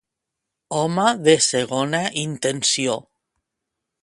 Home de segona intenció.